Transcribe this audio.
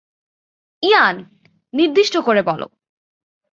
ইয়ান, নির্দিষ্ট করে বলো।